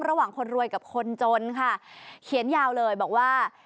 คนรวยกับคนจนค่ะเขียนยาวเลยบอกว่า